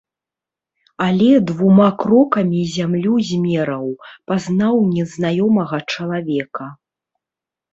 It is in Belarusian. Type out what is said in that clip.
Але двума крокамі зямлю змераў, пазнаў незнаёмага чалавека.